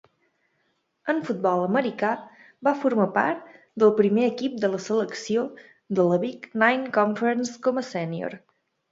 En futbol americà, va formar part del primer equip de la selecció de la Big Nine Conference com a sénior.